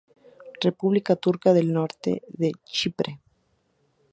República Turca del Norte de Chipre.